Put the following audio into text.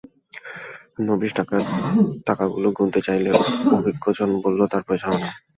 নবিশ ডাকাত টাকাগুলো গুনতে চাইলে অভিজ্ঞজন বলল, তার প্রয়োজন হবে না।